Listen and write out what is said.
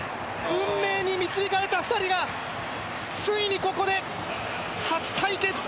運命に導かれた２人がついにここで初対決